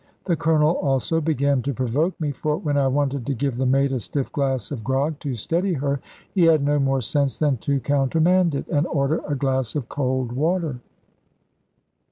The Colonel also began to provoke me, for when I wanted to give the maid a stiff glass of grog to steady her, he had no more sense than to countermand it, and order a glass of cold water!